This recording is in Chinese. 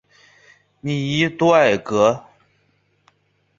米伊多尔格。